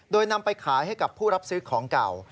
โดยนำไปขายให้กับผู้รับซื้อของเก่า